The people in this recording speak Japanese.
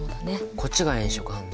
こっちが炎色反応？